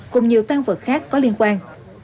cùng nhiều tăng vật khác có liên quan